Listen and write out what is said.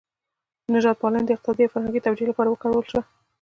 نژاد پالنه د اقتصادي او فرهنګي توجیه لپاره وکارول شوه.